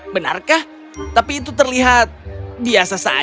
benarkah tapi itu terlihat biasa saja